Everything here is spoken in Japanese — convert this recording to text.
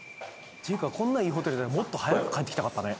ていうかこんないいホテルもっと早く帰ってきたかったね